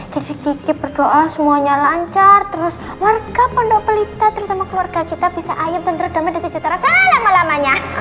jadi kiki berdoa semuanya lancar terus warga pondok pelita terutama keluarga kita bisa ayam dan terdama dan cacetara selama lamanya